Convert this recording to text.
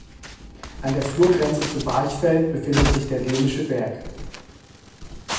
An der Flurgrenze zu Barchfeld befindet sich der Dänische Berg.